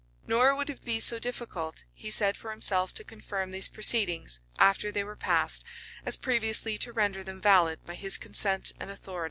Nor would it be so difficult, he said for himself to confirm these proceedings, after they were passed, as previously to render them valid by his consent and authority.